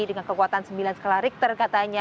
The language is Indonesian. dengan kekuatan sembilan skala richter katanya